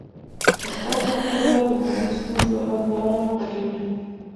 زده کړه ښځه د مالي ستونزو حل لاره لټوي.